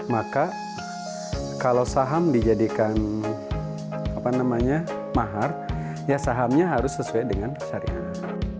maka kalau saham dijadikan mahar ya sahamnya harus sesuai dengan syariah